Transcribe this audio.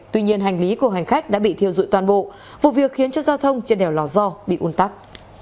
tuy nhiên hành lý của hành khách đã bị thiêu dụi toàn bộ vụ việc khiến cho giao thông trên đèo lò so bị un tắc